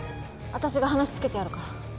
あたしが話つけてやるから。